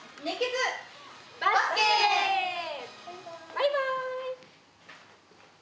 バイバイ！